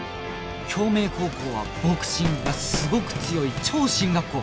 京明高校はボクシングがすごく強い超進学校